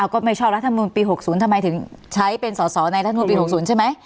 ก็ไม่ชอบรัฐมนุนปี๖๐ทำไมถึงใช้เป็นสอสอในรัฐมนุนปี๖๐ใช่ไหม